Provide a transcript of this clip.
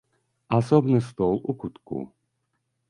Асобны стол у кутку.